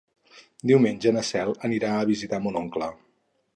Diumenge na Cel anirà a visitar mon oncle.